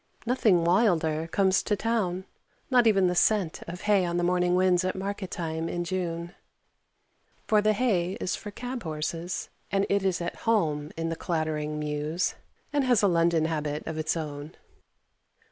Nothing wilder comes to town not even the scent of hay on morning winds at market time in June; for the hay is for cab horses, and it is at home in the clattering mews, and has a London habit of its own.